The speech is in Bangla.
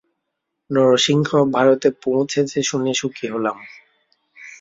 নরসিংহ ভারতে পৌঁছেছে শুনে সুখী হলাম।